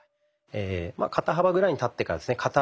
肩幅ぐらいに立ってからですね